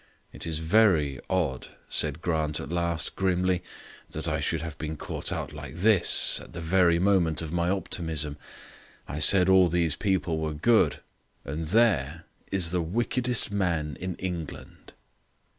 "It is very odd," said Grant at last, grimly, "that I should have been caught out like this at the very moment of my optimism. I said all these people were good, and there is the wickedest man in England."